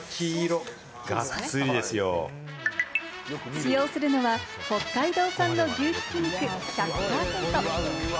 使用するのは、北海道産の牛ひき肉１００％。